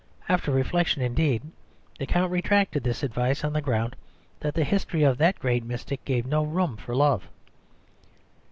After reflection, indeed, the Count retracted this advice on the ground that the history of the great mystic gave no room for love.